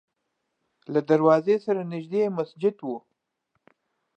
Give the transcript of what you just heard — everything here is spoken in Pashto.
له دروازې سره نږدې یې مسجد و.